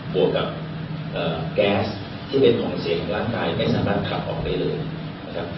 บวกกับแก๊สที่เป็นหลอยเสียของร่างกายไม่สามารถขับออกได้แล้วก็